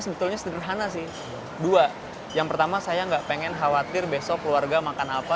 sebetulnya sederhana sih dua yang pertama saya nggak pengen khawatir besok keluarga makan apa